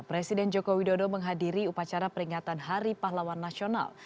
presiden joko widodo menghadiri upacara peringatan hari pahlawan nasional